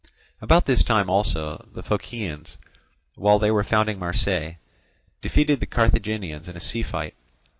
About this time also the Phocaeans, while they were founding Marseilles, defeated the Carthaginians in a sea fight.